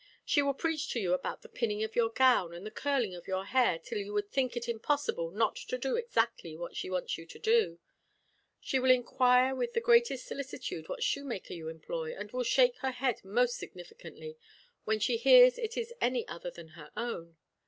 She will preach to you about the pinning of your gown and the curling of your hair till you would think it impossible not to do exactly what she wants you to do. She will inquire with the greatest solicitude what shoemaker you employ, and will shake her head most significantly when she hears it is any other than her own.